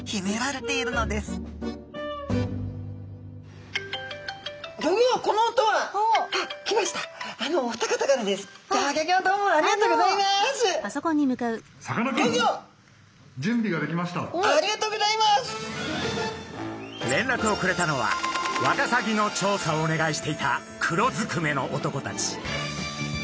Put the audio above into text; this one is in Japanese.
れんらくをくれたのはワカサギの調査をお願いしていた黒ずくめの男たち。